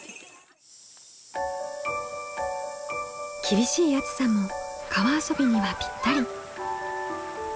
厳しい暑さも川遊びにはぴったり。